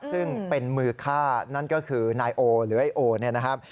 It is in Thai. ซึ่งเป็นมือฆ่านั่นก็คือนายโอหรือไอ้โอเนี่ยนะครับ